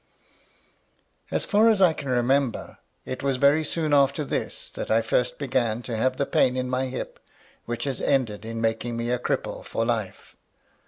As far as I can remember, it was very soon after this that I first began to have the pain in my hip, which has ended in making me a cripple for life.